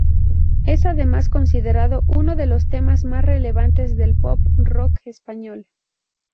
Es además considerado uno de los temas más relevantes del pop rock español.